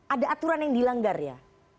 ada aturan yang dilanggar ya